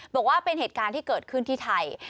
บอกว่าเป็นเหตุการณ์ที่เกิดขึ้นที่ไทย